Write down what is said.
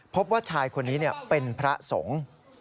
พบว่าชายคนนี้เป็นพระสงฆ์